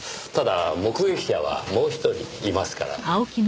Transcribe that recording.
ただ目撃者はもう１人いますから。